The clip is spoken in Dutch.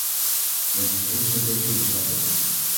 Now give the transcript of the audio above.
Bent u het eens met deze inschatting?